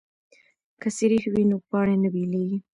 که سریښ وي نو پاڼې نه بېلیږي.